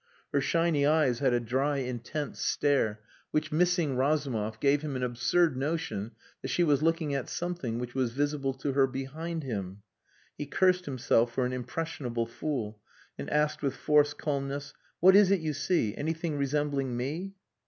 Her shiny eyes had a dry, intense stare, which, missing Razumov, gave him an absurd notion that she was looking at something which was visible to her behind him. He cursed himself for an impressionable fool, and asked with forced calmness "What is it you see? Anything resembling me?"